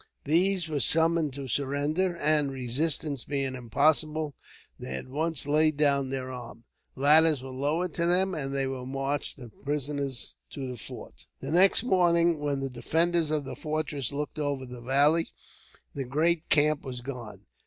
These were summoned to surrender; and, resistance being impossible, they at once laid down their arms. Ladders were lowered to them, and they were marched as prisoners to the fort. The next morning, when the defenders of the fortress looked over the valley, the great camp was gone.